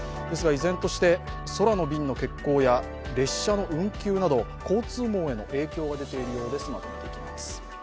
ですが、依然として空の便の欠航や列車の運休など交通網への影響が出ているようです。